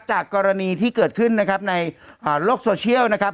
จากกรณีที่เกิดขึ้นนะครับในโลกโซเชียลนะครับ